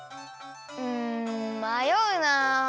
んまような。